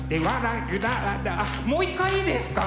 もう一回いいですか？